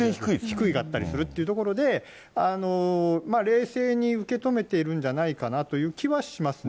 低かったりするということで、冷静に受け止めているんじゃないかなという気はしますね。